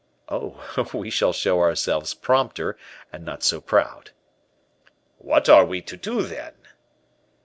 "Oh, we shall show ourselves prompter and not so proud." "What are we to do, then?"